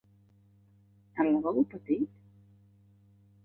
Al lavabo petit?